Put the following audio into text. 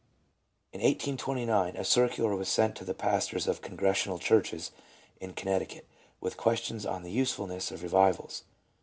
In 1829 a circular was sent to the pastors of Congregational churches in Connecticut, with questions on the usefulness of Re vivals.